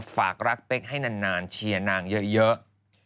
ฝากรักเป๊กให้นานเชียร์นางเยอะ